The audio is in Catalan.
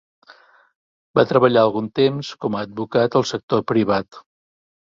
Va treballar algun temps com a advocat al sector privat.